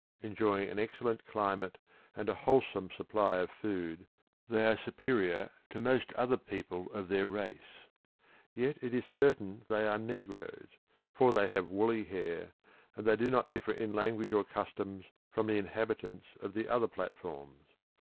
Enjoying an excellent climate and a wholesome supply of food, they are superior to most other people of their race. Yet it is certain that they are negroes, for they have woolly hair, and they do not differ in language or manners from the inhabitants of the other platforms.